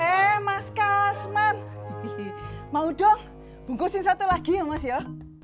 eh mas kasman mau dong bungkusin satu lagi ya mas ya